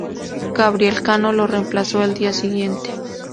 Gabriel Cano lo reemplazó al día siguiente.